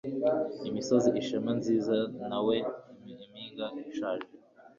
Imisozi ishema nziza nawe impinga ishaje